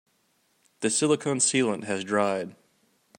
The silicon sealant has dried.